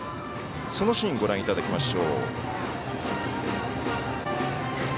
そのシーン、ご覧いただきます。